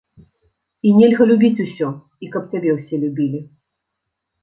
І нельга любіць усё, і каб цябе ўсе любілі.